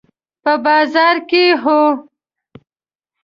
په بازار کې، هو